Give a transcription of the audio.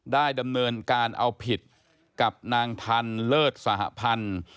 ได้ดำเนินการเอาผิดกับนางทันเลิศสหพันธ์